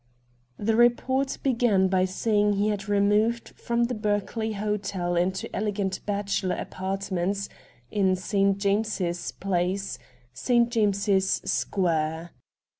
The report began by saying he had removed from the Berkeley Hotel into elegant bachelor apartments in St. James's Place, St. James's Square.